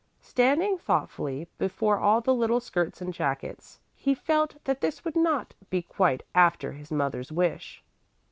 Standing thoughtfully before all the little skirts and jackets, he felt that this would not be quite after his mother's wish.